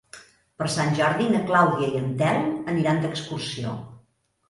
Per Sant Jordi na Clàudia i en Telm aniran d'excursió.